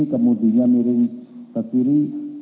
kemudian miring ke kiri